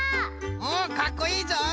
おっかっこいいぞい！